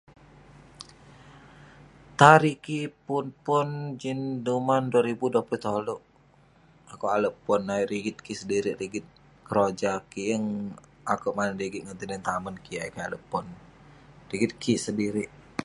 Tari'ik kik pun pon jin duman 2023, akouk ale pon ayuk rigit kik sedirik, rigit keroja kik. Yeng akouk mani rigit ngan tinen tamen kik ayuk kik ale pon. Rigit kik sedirik.